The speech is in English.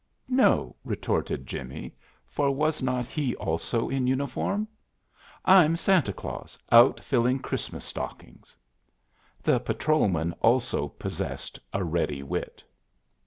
"No," retorted Jimmie, for was not he also in uniform? "I'm Santa Claus out filling Christmas stockings." The patrolman also possessed a ready wit.